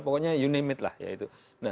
pokoknya you name it lah ya itu